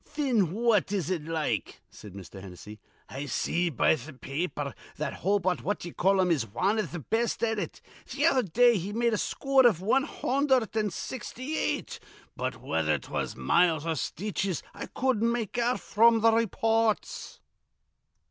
"Thin what is it like?" said Mr. Hennessy. "I see be th' pa aper that Hobart What d'ye call him is wan iv th' best at it. Th' other day he made a scoor iv wan hundherd an' sixty eight, but whether 'twas miles or stitches I cudden't make out fr'm th' raypoorts."